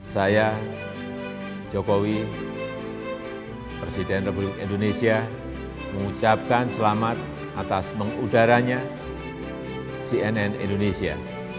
saya jokowi presiden republik indonesia mengucapkan selamat atas mengudaranya cnn indonesia